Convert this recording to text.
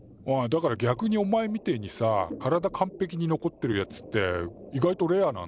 だから逆におまえみてえにさ体完ぺきに残ってるやつって意外とレアなんだぜ。